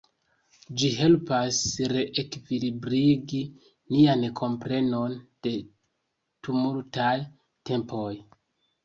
Ĝi helpas reekvilibrigi nian komprenon de tumultaj tempoj.